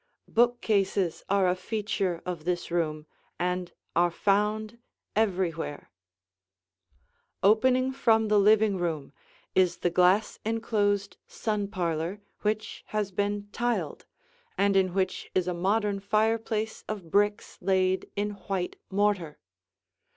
Bookcases are a feature of this room and are found everywhere. [Illustration: The Sun Parlor] Opening from the living room is the glass enclosed sun parlor which has been tiled, and in which is a modern fireplace of bricks laid in white mortar.